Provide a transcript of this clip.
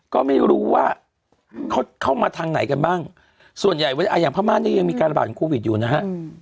ก็ไม่รู้ว่าเขาเข้ามาทางไหนกันบ้างส่วนใหญ่อย่างพม่าเนี่ยยังมีการระบาดของโควิดอยู่นะฮะ